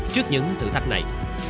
trước những thử thách này